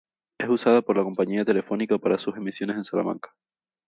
Es usada por la compañía Telefónica para sus emisiones en Salamanca.